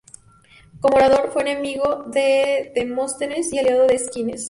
Como orador fue enemigo de Demóstenes y aliado de Esquines.